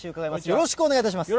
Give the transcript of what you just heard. よろしくお願いします。